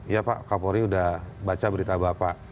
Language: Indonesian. iya pak kapolri udah baca berita bapak